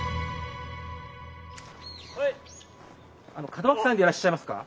門脇さんでいらっしゃいますか？